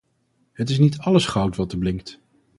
Het is niet alles goud wat er blinkt.